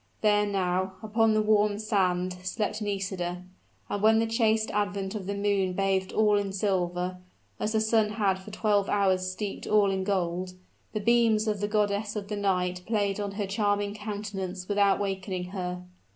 There now, upon the warm sand, slept Nisida; and when the chaste advent of the moon bathed all in silver, as the sun had for twelve hours steeped all in gold, the beams of the goddess of the night played on her charming countenance without awakening her.